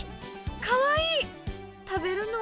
かわいい。